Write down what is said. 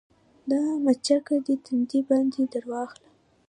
دا مچکه دې تندي باندې درواخله